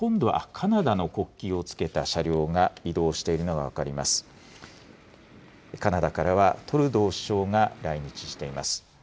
カナダからはトルドー首相が来日しています。